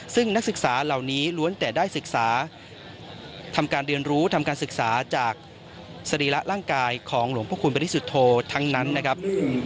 ซึ่งนักศึกษาเหล่านี้ล้วนแต่ได้ศึกษาทำการเรียนรู้ทำการศึกษาจากสรีระร่างกายของหลวงพระคุณบริสุทธโธทั้งนั้นนะครับ